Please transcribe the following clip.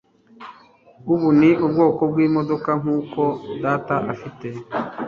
Ubu ni ubwoko bwimodoka nkuko data afite.